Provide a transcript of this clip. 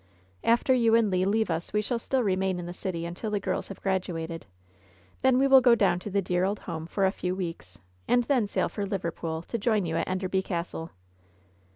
"After you and Le leave us we shall still remain in the city until the girls shall have graduated. Then we will go down to the dear old home for a few weeks, and then sail for Liverpool, to join you at Enderby Castle.